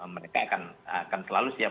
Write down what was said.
mereka akan selalu siap